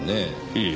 ええ。